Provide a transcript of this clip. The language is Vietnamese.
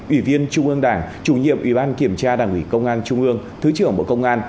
ủy viên trung ương đảng chủ nhiệm ủy ban kiểm tra đảng ủy công an trung ương thứ trưởng bộ công an